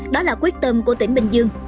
đó là quyết tâm của tỉnh bình dương